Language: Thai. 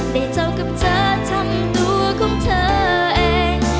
แต่เจอกับเธอทำตัวของเธอเอง